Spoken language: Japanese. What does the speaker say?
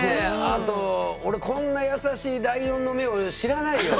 あと俺こんな優しいライオンの目を知らないよ。